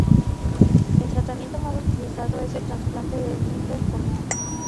El tratamiento más utilizado es el trasplante de limbo corneal.